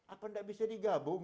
apa tidak bisa digabung